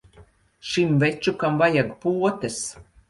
Šim večukam vajag potes.